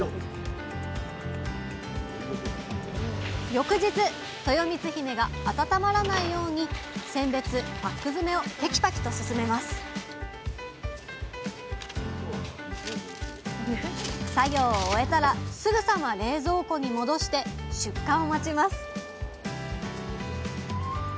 翌日とよみつひめが温まらないように選別パック詰めをてきぱきと進めます作業を終えたらすぐさま冷蔵庫に戻して出荷を待ちます